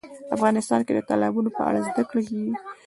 افغانستان کې د تالابونو په اړه زده کړه کېږي.